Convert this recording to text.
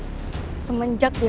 denyiji pernah menghubungi saya lagi